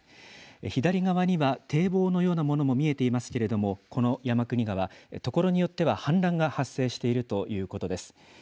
左側には堤防のようなものも見えていますけれども、この山国川、所によっては氾濫が発生しているということです。